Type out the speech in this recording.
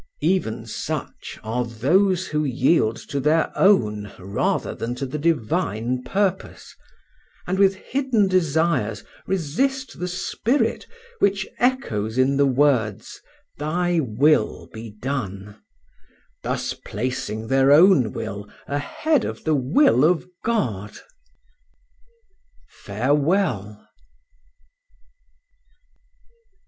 Even such are those who yield to their own rather than to the divine purpose, and with hidden desires resist the spirit which echoes in the words, "Thy will be done," thus placing their own will ahead of the will of God. Farewell.